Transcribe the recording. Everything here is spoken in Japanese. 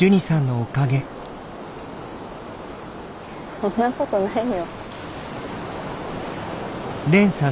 そんなことないよ。